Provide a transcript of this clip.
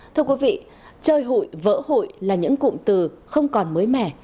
thưa quý vị chơi hụi vỡ hụi là những cụm từ không còn mới mẻ